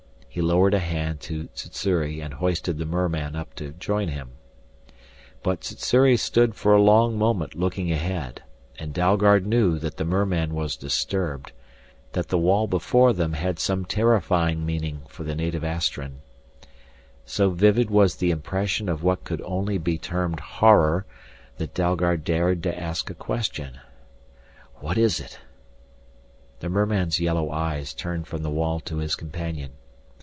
He lowered a hand to Sssuri and hoisted the merman up to join him. But Sssuri stood for a long moment looking ahead, and Dalgard knew that the merman was disturbed, that the wall before them had some terrifying meaning for the native Astran. So vivid was the impression of what could only be termed horror that Dalgard dared to ask a question: "What is it?" The merman's yellow eyes turned from the wall to his companion.